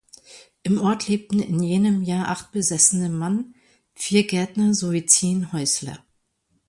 Im Ort lebten in jenem Jahr acht besessene Mann, vier Gärtner sowie zehn Häusler.